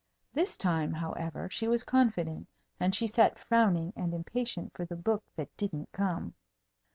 This time, however, she was confident, and she sat frowning and impatient for the book that didn't come.